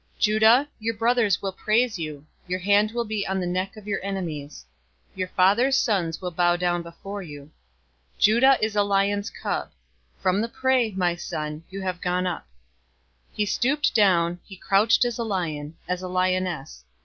049:008 "Judah, your brothers will praise you. Your hand will be on the neck of your enemies. Your father's sons will bow down before you. 049:009 Judah is a lion's cub. From the prey, my son, you have gone up. He stooped down, he crouched as a lion, as a lioness.